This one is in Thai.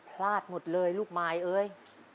พลาดหมดเลยลูกมายเอ้ย